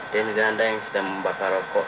dengana yang sudah membaksa rokok